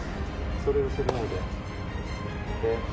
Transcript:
それを忘れないで。